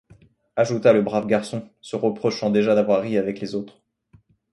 ajouta le brave garçon, se reprochant déjà d’avoir ri avec les autres.